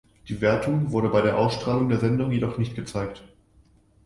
Die Wertung wurde bei der Ausstrahlung der Sendung jedoch nicht gezeigt.